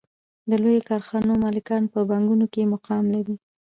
د لویو کارخانو مالکان په بانکونو کې مقام لري